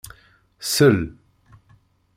Sel.